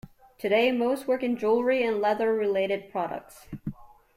Today, most work in jewellery and leather-related products.